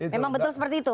memang betul seperti itu